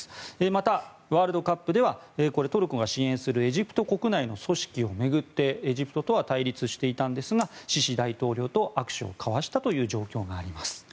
また、ワールドカップではトルコが支援するエジプト国内の組織を巡ってエジプトとは対立していたんですがシシ大統領と握手を交わしたという状況があります。